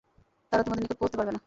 তারা তোমাদের নিকট পৌঁছতে পারবে না।